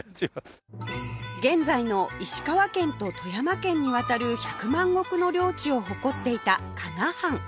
現在の石川県と富山県にわたる百万石の領地を誇っていた加賀藩